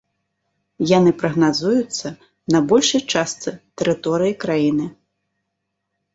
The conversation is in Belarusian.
Яны прагназуюцца на большай частцы тэрыторыі краіны.